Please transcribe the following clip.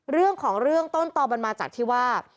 เรื่องของเรื่องต้นต่อมันมาจากที่ว่า